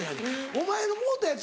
お前のもろうたやつ